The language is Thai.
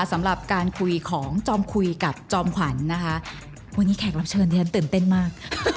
สำหรับการคุยของจอมคุยกับจอมขวัญนะคะวันนี้แขกรับเชิญที่ฉันตื่นเต้นมาก